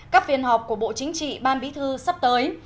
các phiên họp của bộ chính trị ban bí thư sắp tới